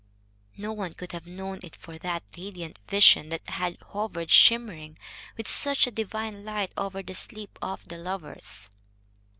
No one could have known it for that radiant vision that had hovered shimmering with such a divine light over the sleep of the lovers.